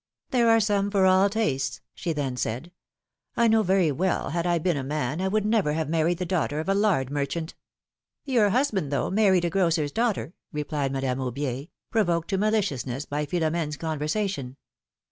There are some for all tastes," she then said. know very well had I been a man, I would never have married the daughter of a lard merchant!" Your husband, though, married a grocer's daughter!" replied Madame Aubier, provoked to maliciousness by Philom^ne's conversation.